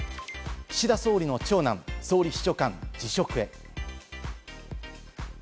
岸田総理の長男、総理秘書官辞職へ。